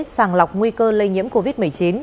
sàng lọc nguy cơ lây nhiễm covid một mươi chín